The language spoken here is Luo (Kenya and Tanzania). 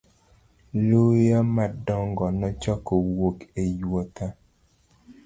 Luya madongo nochako wuok e yuotha.